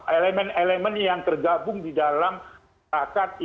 elemen elemen yang tergabung di dalam kata kata yang dihukum